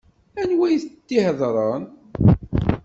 Anwa i d-iheḍṛen?